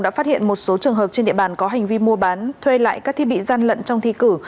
đã phát hiện một số trường hợp trên địa bàn có hành vi mua bán thuê lại các thiết bị gian lận trong thi cử